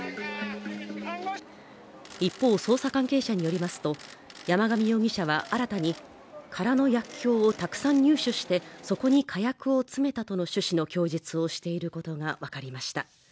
一方、捜査関係者によりますと山上容疑者は新たに空の薬きょうをたくさん入手して、そこに火薬を詰めたとの趣旨の供述をしていることが分かりました。